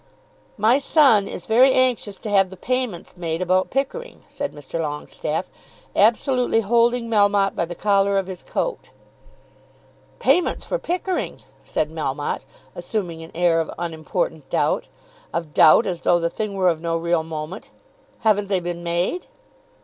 "My son is very anxious to have the payments made about Pickering," said Mr. Longestaffe, absolutely holding Melmotte by the collar of his coat. "Payments for Pickering!" said Melmotte, assuming an air of unimportant doubt, of doubt as though the thing were of no real moment. "Haven't they been made?"